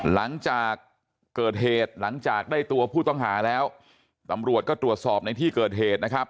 หลังจากเกิดเหตุหลังจากได้ตัวผู้ต้องหาแล้วตำรวจก็ตรวจสอบในที่เกิดเหตุนะครับ